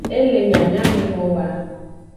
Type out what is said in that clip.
E le nyanyamenowoa.